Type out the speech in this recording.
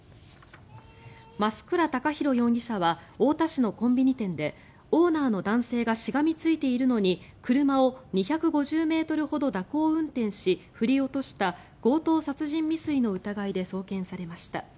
増倉孝弘容疑者は太田市のコンビニ店でオーナーの男性がしがみついているのに車を２５０ｍほど蛇行運転し振り落とした強盗殺人未遂の疑いで送検されました。